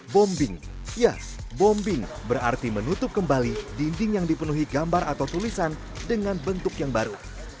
bombing ya bombing berarti menutup kembali dinding yang dipenuhi gambar atau tulisan dengan bentuk yang baru